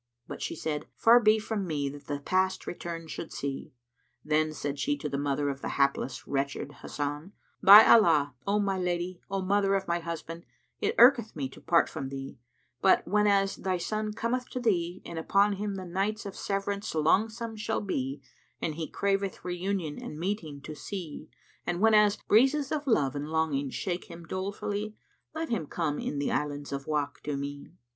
But she said, "Far be from me that the Past return should see!" Then said she to the mother of the hapless, wretched Hasan, "By Allah, O my lady, O mother of my husband, it irketh me to part from thee; but, whenas thy son cometh to thee and upon him the nights of severance longsome shall be and he craveth reunion and meeting to see and whenas breezes of love and longing shake him dolefully, let him come in the islands of Wák[FN#95] to me."